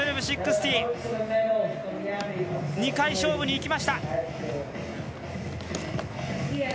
１２６０、２回勝負にいきました。